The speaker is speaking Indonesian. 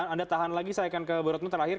anda tahan lagi saya akan ke beratmu terakhir